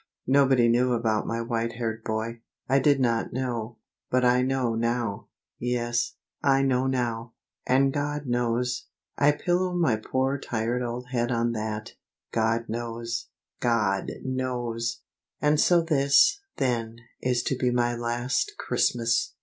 Nobody knew about my white haired boy. I did not know. But I know now. Yes, I know now. And God knows; I pillow my poor tired old head on that, God knows, God knows! And so this, then, is to be my last Christmas!